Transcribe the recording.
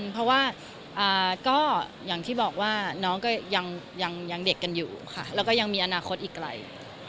เพราะว่าก็อย่างที่บอกว่าน้องก็ยังเด็กกันอยู่ค่ะแล้วก็ยังมีอนาคตอีกไกล